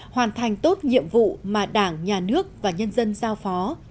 hoàn thành tốt nhiệm vụ mà đảng nhà nước và nhân dân giao phó